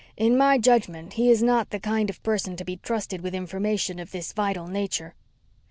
In my judgment, he is not the kind of person to be trusted with information of this vital nature."